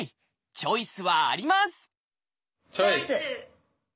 チョイス！